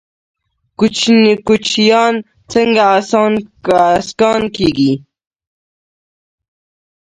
کوچیان څنګه اسکان کیږي؟